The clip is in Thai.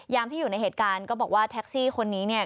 ที่อยู่ในเหตุการณ์ก็บอกว่าแท็กซี่คนนี้เนี่ย